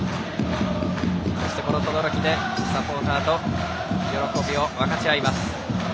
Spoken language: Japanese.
そして、等々力でサポーターと喜びを分かち合います。